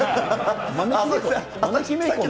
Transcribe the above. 招き猫？